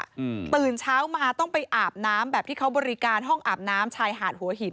อืมตื่นเช้ามาต้องไปอาบน้ำแบบที่เขาบริการห้องอาบน้ำชายหาดหัวหิน